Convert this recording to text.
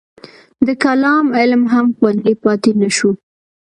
د کلام علم هم خوندي پاتې نه شو.